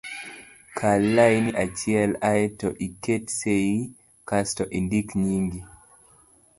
kal lain achiel ae to iket sei kasto indik nyingi